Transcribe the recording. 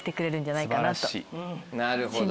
なるほど。